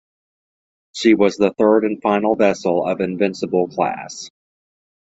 She was the third and final vessel of "Invincible"-class.